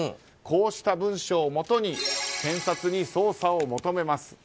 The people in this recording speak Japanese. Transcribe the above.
こうした文書をもとに検察に捜査を求めます。